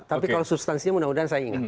tapi kalau substansinya mudah mudahan saya ingat